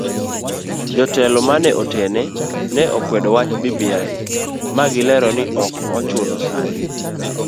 Jotelo mane otene ne okwedo wach bbi magilero ni ok ochuno sani.